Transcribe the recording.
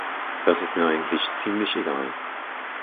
Das ist mir eigentlich ziemlich egal.